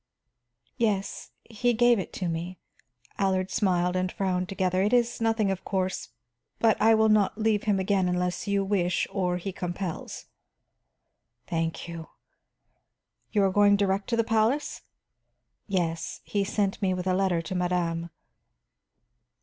"Yes, he gave it to me," Allard smiled and frowned together. "It is nothing, of course. But I will not leave him again unless you wish or he compels." "Thank you. You are going direct to the palace?" "Yes; he sent me with a letter to madame."